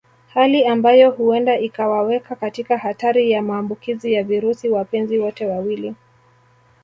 Hali ambayo huenda ikawaweka katika hatari ya maambukizi ya virusi wapenzi wote wawili